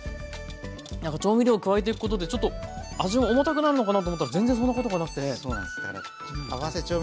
なんか調味料加えていくことでちょっと味が重たくなるのかなと思ったら全然そんなことがなくて。